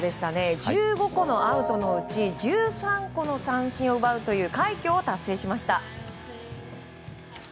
１５個のアウトのうち１３個の三振を奪うという快挙を達成しました。